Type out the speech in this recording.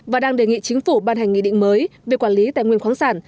và đang đề nghị chính phủ ban hành nghị định mới về quản lý tài nguyên khoáng sản